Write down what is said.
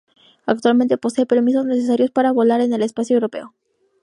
Actualmente posee permisos necesarios para volar en el espacio europeo.